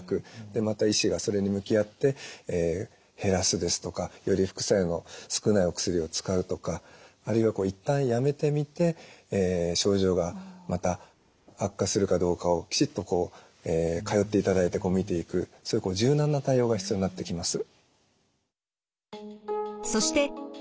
でまた医師がそれに向き合って減らすですとかより副作用の少ないお薬を使うとかあるいはいったんやめてみて症状がまた悪化するかどうかをきちっと通っていただいてみていくそういう柔軟な対応が必要になってきます。